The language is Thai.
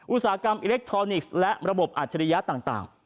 อุตสาหกรรมอิเล็กทรอนิกส์และระบบอัจฉริยะต่าง